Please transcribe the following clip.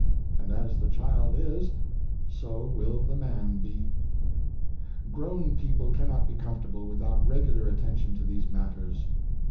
And as the child is, so will the man be. Grown people cannot be comfortable without regu lar attention to these matters.